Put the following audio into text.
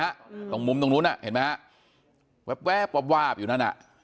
ตรงมุมตรงนู้นอ่ะเห็นไหมฮะแวบแวบวาบวาบอยู่นั่นอ่ะ